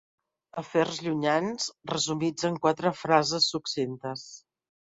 Afers llunyans resumits en quatre frases succintes.